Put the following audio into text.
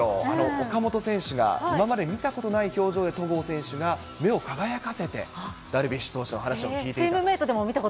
岡本選手が、今まで見たことない表情で戸郷選手が目を輝かせて、ダルビッシュ投手の話を聞いていたと。